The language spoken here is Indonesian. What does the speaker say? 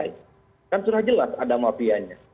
itu selesai kan sudah jelas ada mafianya